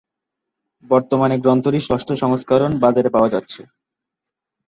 বর্তমানে গ্রন্থটির ষষ্ঠ সংস্করণ বাজারে পাওয়া যাচ্ছে।